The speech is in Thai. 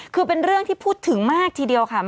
คือเป็นเรื่องที่พูดถึงมากทีเดียวค่ะ